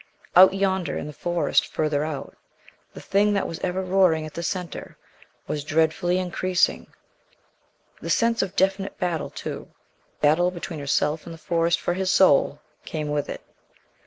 Out yonder in the Forest further out the thing that was ever roaring at the center was dreadfully increasing. The sense of definite battle, too battle between herself and the Forest for his soul came with it.